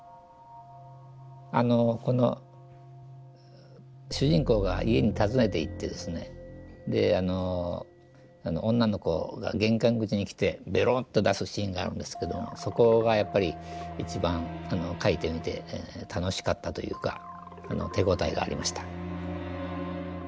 あのこの主人公が家に訪ねていってですねであの女の子が玄関口に来てベロンと出すシーンがあるんですけどそこがやっぱり一番描いてみて楽しかったというか手応えがありました。